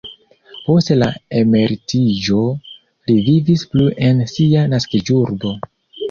Post la emeritiĝo li vivis plu en sia naskiĝurbo.